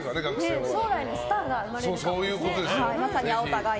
将来のスターが生まれるかもですね。